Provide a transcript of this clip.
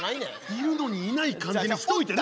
いるのにいない感じにしといてね。